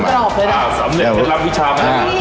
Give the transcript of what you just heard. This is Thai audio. อ่ะสำเร็จให้รับวิชามา